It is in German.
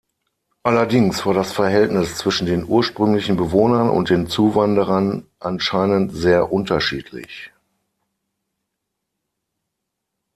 Allerdings war das Verhältnis zwischen den ursprünglichen Bewohnern und den Zuwanderern anscheinend sehr unterschiedlich.